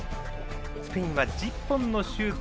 スペインは１０本のシュート。